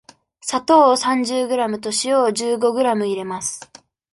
砂糖を三十グラムと塩を十五グラム入れます。